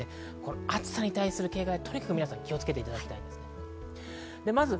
暑さに対する警戒はとにかく皆さん気をつけていただきたいと思います。